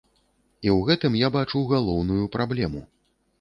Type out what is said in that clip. І ў гэтым я бачу галоўную праблему.